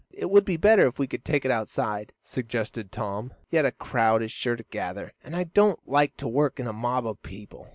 "It would be better if we could take it outside," suggested Tom, "yet a crowd is sure to gather, and I don't like to work in a mob of people."